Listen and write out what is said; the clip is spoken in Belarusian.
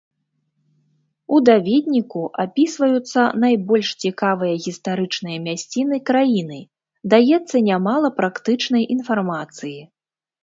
У даведніку апісваюцца найбольш цікавыя гістарычныя мясціны краіны, даецца нямала практычнай інфармацыі.